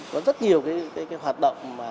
có rất nhiều hoạt động